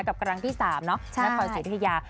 กับครั้งที่สามนะครับนครสีรุธิยา